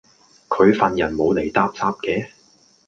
佢份人冇厘搭霎既